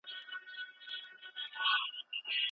عدالت په هر ځای کي پلي کړئ.